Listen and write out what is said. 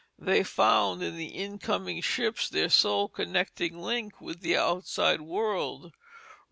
They found in the incoming ships their sole connecting link with the outside world.